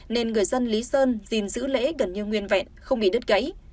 nên người dân lý sơn gìn giữ lễ gần như nguyên vẹn không bị đứt gãy